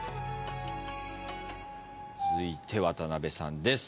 続いて渡辺さんです。